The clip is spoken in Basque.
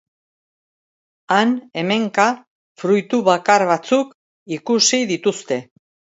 Han-hemenka fruitu bakar batzuk ikusi dituzte.